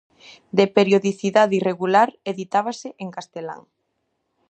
De periodicidade irregular, editábase en castelán.